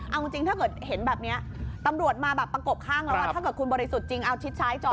เอาจริงเดี๋ยวข้าเห็นแบบนี้ตำรวจจะมาประกบข้างแล้วถ้าเกิดคุณบริสุทธิ์จริงอ่ะคลิปซ้ายจอนเลย